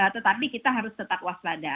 tetapi kita harus tetap waspada